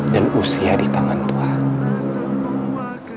dan usia di tangan tuhan